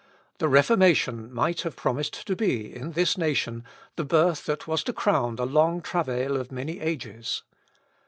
The Reformation might have promised to be, in this nation, the birth that was to crown the long travail of many ages.